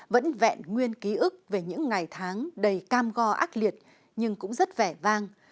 vẫn vẹn nguyên ký ức về những ngày tháng đầy cam go ác liệt nhưng cũng rất vẻ vang